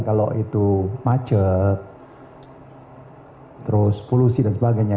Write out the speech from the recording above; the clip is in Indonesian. kalau itu macet terus polusi dan sebagainya